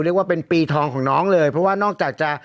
เรียกว่าเป็นปีทองของน้องเลยเพราะว่านอกจากจะ